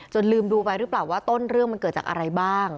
ลืมดูไปหรือเปล่าว่าต้นเรื่องมันเกิดจากอะไรบ้าง